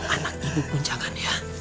anak ibu pun jangan ya